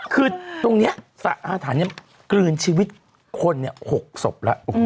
คือตรงนี้สระอาถรรพ์นี้กลืนชีวิตคน๖ศพแล้ว